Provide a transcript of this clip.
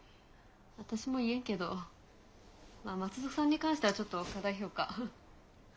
私も言えんけど松戸さんに関してはちょっと過大評価。